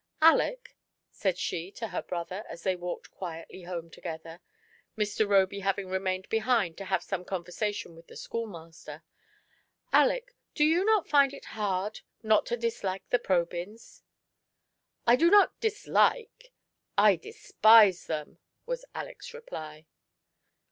"Aleck," said she to her brother, as they walked quietly home together, Mr. Roby having remained behind to have some conversation with the schoolmaster — "Aleck, do you not find it hard not to dislike the Probyns ?*'" I do not dislike — I despise them," was Aleck's reply.